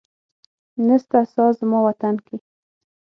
نسته ساه زما وطن کي